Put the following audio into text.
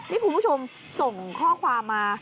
นี่คุณผู้ชมส่งข้อความมา